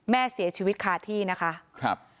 แม่เสียชีวิตคาที่นะคะ